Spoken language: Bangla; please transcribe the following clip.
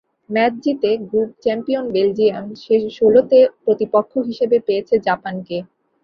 ম্যাচ জিতে গ্রুপ চ্যাম্পিয়ন বেলজিয়াম শেষ ষোলোতে প্রতিপক্ষ হিসেবে পেয়েছে জাপানকে।